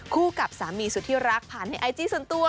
กับสามีสุดที่รักผ่านในไอจีส่วนตัว